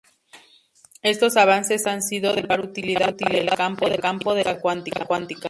Estos avances han sido de particular utilidad para el campo de la química cuántica.